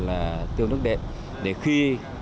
để khi tiêu nước đệm thì chúng ta có thể nói là sẵn sàng